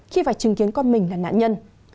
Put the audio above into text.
khi phải chứng kiến con mình là nạn nhân